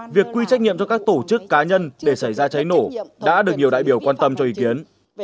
việc quy trách nhiệm cho các tổ chức cá nhân để xảy ra cháy nổ đã được nhiều đại biểu quan tâm cho ý kiến